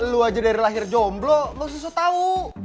lo aja dari lahir jomblo lo susah tau